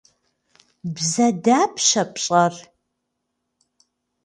Bze dapşe pş'ere?